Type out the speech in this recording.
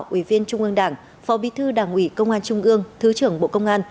ủy viên trung ương đảng phó bí thư đảng ủy công an trung ương thứ trưởng bộ công an